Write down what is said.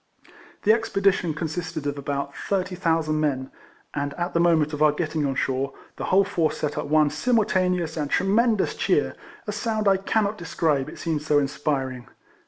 The expedition consisted of about 30,000 men, and at the moment of our getting on shore, the whole force set up one simulta neous and tremendous cheer, a sound I cannot describe, it seemed so inspiring.